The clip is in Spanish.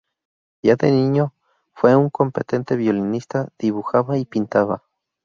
Ya de niño, fue un competente violinista, dibujaba y pintaba.